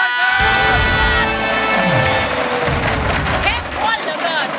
เทคพ่นเหลือเกิน